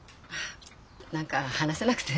何か話せなくて。